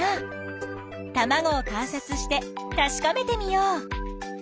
たまごを観察してたしかめてみよう。